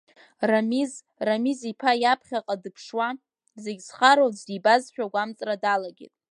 Рамиз Рамиз-иԥа иаԥхьаҟа дыԥшуа, зегь зхароу аӡә дибазшәа агәамҵра далагеит.